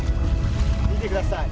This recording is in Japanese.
見てください。